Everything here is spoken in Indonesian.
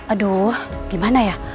aduh gimana ya